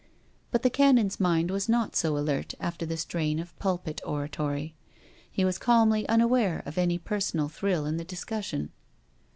But the Canon's mind was not .so alert after the strain of pulpit oratory. He was calmly unaware of any per sonal thrill in the discussion.